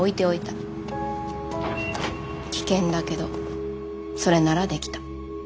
危険だけどそれならできた。